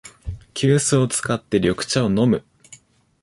急須を使って緑茶を飲む